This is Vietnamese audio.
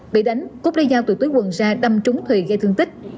bị đánh cúc đeo dao từ túi quần ra đâm trúng thùy gây thương tích